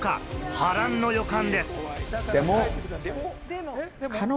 波乱の予感です。